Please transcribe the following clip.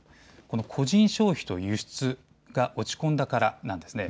個人消費と輸出が落ち込んだからなんです。